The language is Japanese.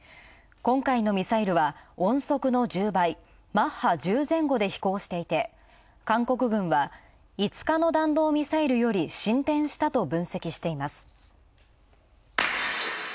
こんかいのミサイルは音速の１０倍、マッハ１０前後で飛行していて、韓国軍は、５日の弾道ミサイルより進展したと分析しています。